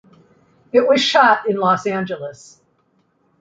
It was shot in Los Angeles.